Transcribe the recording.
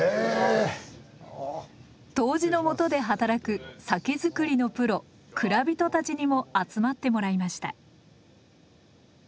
杜氏のもとで働く酒造りのプロ蔵人たちにも集まってもらいました。